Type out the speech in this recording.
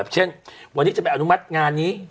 เช่นวันนี้จะไปอนุมัติงานนี้